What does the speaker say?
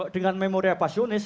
dengan memori apasionis